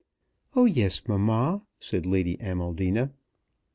"Oh, yes, mamma," said Lady Amaldina.